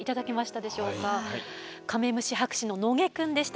カメムシ博士の野下くんでした。